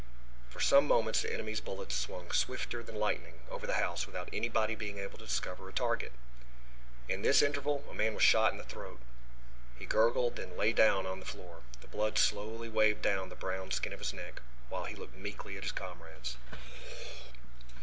For some moments the enemy's bullets swung swifter than lightning over the house without anybody being able to discover a target. In this interval a man was shot in the throat. He gurgled, and then lay down on the floor. The blood slowly waved down the brown skin of his neck while he looked meekly at his comrades.